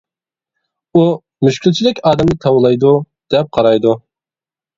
ئۇ مۈشكۈلچىلىك ئادەمنى تاۋلايدۇ، دەپ قارايدۇ.